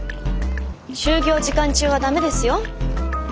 就業時間中はダメですよ。